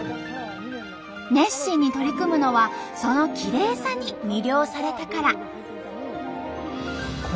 熱心に取り組むのはそのきれいさに魅了されたから。